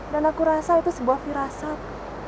aku rasa itu sebuah firasat